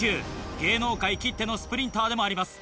芸能界きってのスプリンターでもあります。